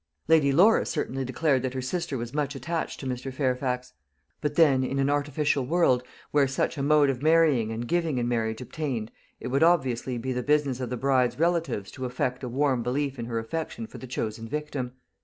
Lady Laura certainly declared that her sister was much attached to Mr. Fairfax; but then, in an artificial world, where such a mode of marrying and giving in marriage obtained, it would obviously be the business of the bride's relatives to affect a warm belief in her affection for the chosen victim.